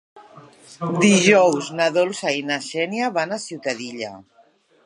Dijous na Dolça i na Xènia van a Ciutadilla.